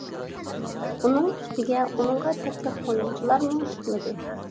ئۇنىڭ ئۈستىگە، ئۇنىڭغا تەكلىپ قويغۇچىلارمۇ چىقمىدى.